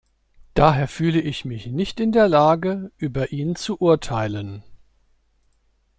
Daher fühle ich mich nicht in der Lage, über ihn zu urteilen.